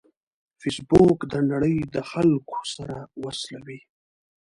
فېسبوک د نړۍ د خلکو سره وصلوي